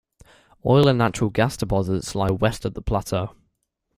Oil and natural-gas deposits lie west of the plateau.